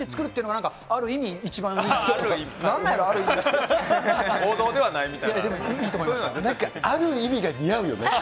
なんか、ある意味が似合うよね。